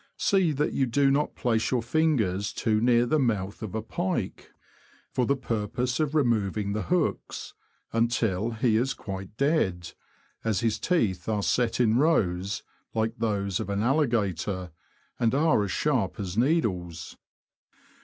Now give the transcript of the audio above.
See that you do not place your fingers too near the mouth of a pike, for the purpose of removing the hooks, 296 THE LAND OF THE BROADS. until he is quite dead, as his teeth are set in rows like those of an alligator, and are as sharp as needles.